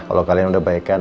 kalau kalian udah baikan